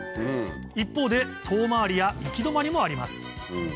一方で遠回りや行き止まりもあります